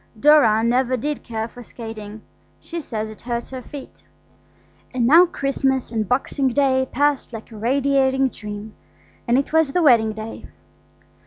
Dora never did care for skating; she says it hurts her feet. And now Christmas and Boxing Day passed like a radiating dream, and it was the wedding day.